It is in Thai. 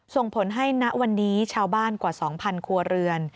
ส่งผลให้ณวันนี้ชาวบ้านกว่า๒๐๐ครัวเรือน